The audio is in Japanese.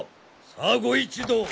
さあご一同